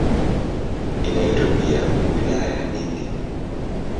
Inaitwa pia "Wilaya ya Nithi".